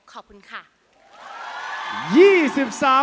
ขอบคุณค่ะ